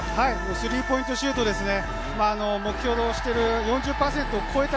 スリーポイントシュートですね。